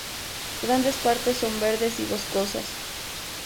Grandes partes son verdes y boscosas.